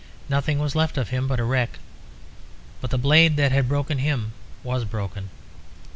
Nothing was left of him but a wreck; but the blade that had broken him was broken.